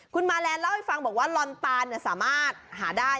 คุณมาแลนดเล่าให้ฟังบอกว่าลอนตาลสามารถหาได้